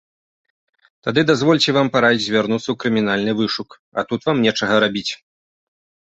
Тады дазвольце вам параіць звярнуцца ў крымінальны вышук, а тут вам нечага рабіць.